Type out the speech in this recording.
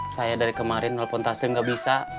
saya dari kemarin walaupun taslim gak bisa